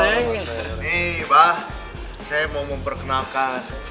ini ibah saya mau memperkenalkan